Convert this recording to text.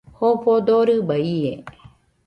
Jofo dorɨba ie